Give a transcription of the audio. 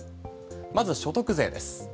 まず所得税です。